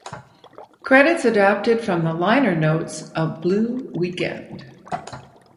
Credits adapted from the liner notes of "Blue Weekend".